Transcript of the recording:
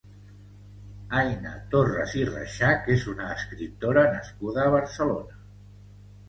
Aina Torres i Rexach és una escriptora nascuda a Barcelona.